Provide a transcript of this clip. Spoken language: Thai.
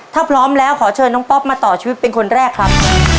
ถ้าพร้อมแล้วขอเชิญน้องป๊อปมาต่อชีวิตเป็นคนแรกครับ